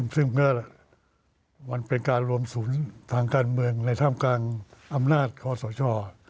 ซึ่งก็มันเป็นการรวมศูนย์ทางการเมืองในท่ามกลางอำนาจคอสช